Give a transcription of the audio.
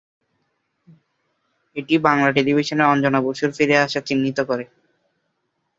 এটি বাংলা টেলিভিশনে অঞ্জনা বসুর ফিরে আসা চিহ্নিত করে।